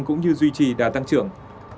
cũng như duy trì đã tăng trưởng